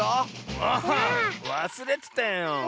ああわすれてたよ。